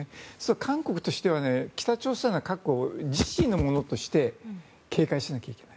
韓国としては北朝鮮が核を自身のものとして軽快しないといけない。